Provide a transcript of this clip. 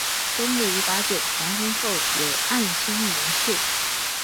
东篱把酒黄昏后，有暗香盈袖